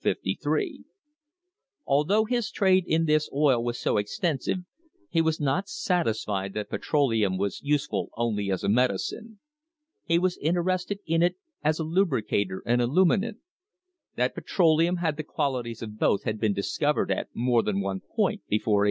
d Although his trade in this oil was so extensive he was not THE HISTORY OF THE STANDARD OIL COMPANY satisfied that petroleum was useful only as a medicine. He was interested in it as a lubricator and a luminant. That petroleum had the qualities of both had been discovered at more than one point before 1850.